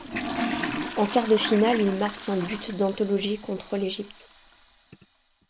En quart de finale, il marque un but d'anthologie contre l'Égypte.